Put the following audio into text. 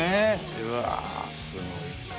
うわすごい。